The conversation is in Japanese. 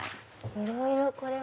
いろいろこれは。